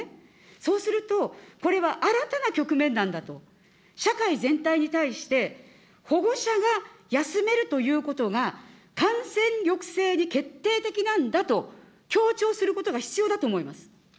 そうすると、これは新たな局面なんだと、社会全体に対して、保護者が休めるということが、感染抑制に決定的なんだと、強調することが必要だと思います。